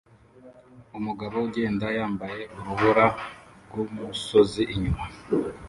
Umugabo ugenda yambaye urubura rwumusozi inyuma